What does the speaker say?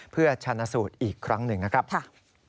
เพื่อชนะสูตรอีกครั้งหนึ่งนะครับ